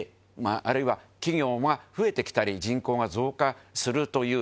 襪い企業が増えてきたり人口が増加するという。